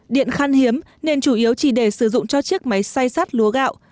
điện khăn hiếm nên chủ yếu chỉ để sử dụng cho chiếc máy xay sắt lúa gạo